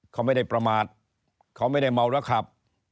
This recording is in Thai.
เขาไม่ได้ประมาทเขาไม่ได้เมาแล้วขับ